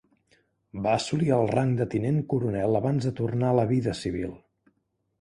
Va assolir el rang de tinent coronel abans de tornar a la vida civil.